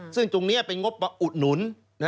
ซึ่งตรงนี้เป็นงบอุดหนุน